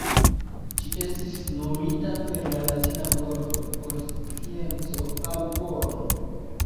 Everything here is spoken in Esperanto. Ĝi estis nomita per la latina vorto por "scienco" aŭ "kono".